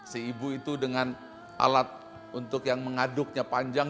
si ibu itu dengan alat untuk yang mengaduknya panjang